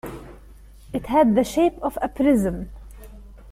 It had the shape of a Prism.